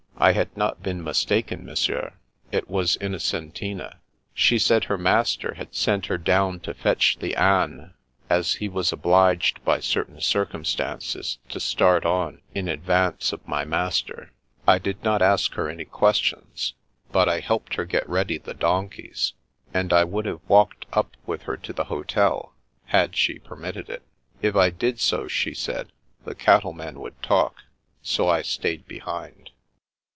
" I had not been mistaken. Monsieur. It was Innocentina. She said her master had sent her I The Americans 305 down to fetch the anes, as he was obliged by certain circumstances to start on in advance of my master. I did not ask her any questions, but I helped her get ready the donkeys, and I would have walked up with her to the hotel, had she permitted it. If I did so, she said, the cattle men would talk ; so I stayed behind."